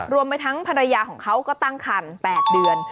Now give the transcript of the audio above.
รวมไปทั้งภรรยาของเขาก็ตั้งคัน๘เดือน